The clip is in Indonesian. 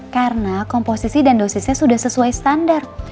karena komposisi dan dosisnya sudah sesuai standar